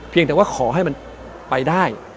เพียงแต่ว่าขอให้มันไปได้